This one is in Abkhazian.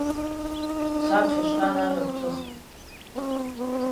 Саԥхьа ишьҭан амҩа гуҭыха!